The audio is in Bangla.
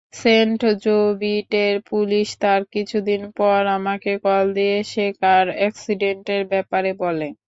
সেন্ট জোভিটের পুলিশ তার কিছুদিন পরে আমাকে কল দিয়ে সে কার এক্সিডেন্টের ব্যাপারে বলে।